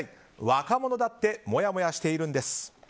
若者だってもやもやしてるんです！